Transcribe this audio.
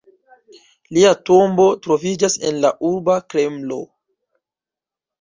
Lia tombo troviĝas en la urba Kremlo.